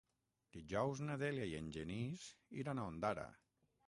Dijous na Dèlia i en Genís iran a Ondara.